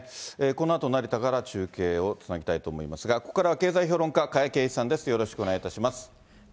このあと、成田から中継をつなぎたいと思いますが、ここからは経済評論家、加谷珪一さんです、よろしくお願いいたします。